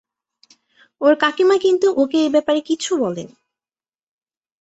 ওর কাকিমা কিন্তু ওকে এই ব্যাপারে কিছু বলেনি।